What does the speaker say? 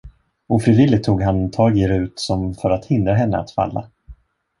Ofrivilligt tog han tag i Rut som för att hindra henne att falla.